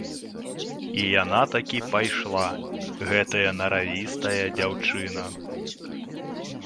І яна такі пайшла, гэтая наравістая дзяўчына.